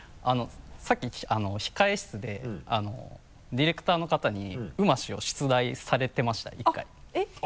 さっき控室でディレクターの方に「うまし」を出題されてました１回えっ？